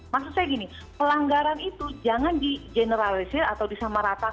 maksud saya gini pelanggaran itu jangan digeneralisir atau disamaratakan